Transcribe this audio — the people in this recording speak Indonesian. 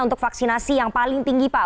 untuk vaksinasi yang paling tinggi pak